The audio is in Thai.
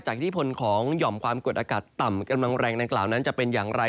อิทธิพลของหย่อมความกดอากาศต่ำกำลังแรงดังกล่าวนั้นจะเป็นอย่างไร